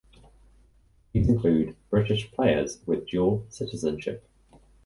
These include British players with dual citizenship.